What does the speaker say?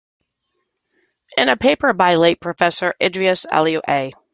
In a paper by late Professor Idrees Aliyu A.